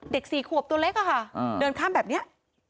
๔ขวบตัวเล็กอะค่ะเดินข้ามแบบนี้